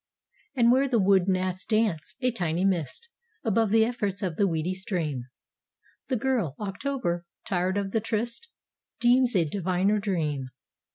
And where the wood gnats dance, a tiny mist, Above the efforts of the weedy stream, The girl, October, tired of the tryst, Dreams a diviner dream.